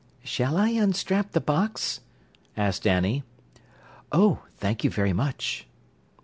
"Shall I unstrap the box?" asked Annie. "Oh, thank you very much!"